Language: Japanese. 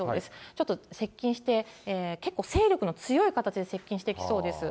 ちょっと接近して、結構勢力の強い形で接近してきそうです。